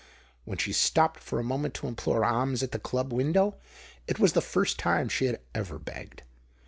When she stopped for a moment to implore alms at the Club window, it was the first time she had ever begged.